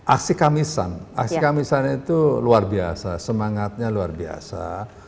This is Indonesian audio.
aksi kamisan aksi kamisan itu luar biasa semangatnya luar biasa